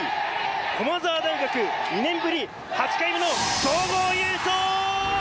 駒澤大学２年ぶり８回目の総合優勝！